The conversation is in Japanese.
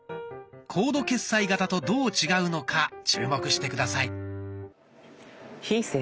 コード決済型とどう違うのか注目して下さい。